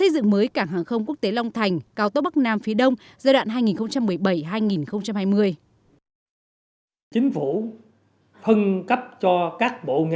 giai đoạn hai nghìn một mươi bảy hai nghìn hai mươi